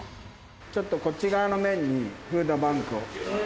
ちょっとこっち側の面にフードバンクを置く。